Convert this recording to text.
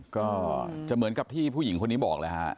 ก็จะเหมือนกับที่ผู้หญิงคนนี้บอกแล้วฮะ